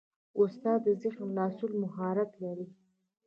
استاد د ذهن خلاصولو مهارت لري.